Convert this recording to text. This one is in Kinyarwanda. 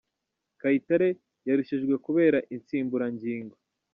Kayitare yarushijwe kubera insimburangingo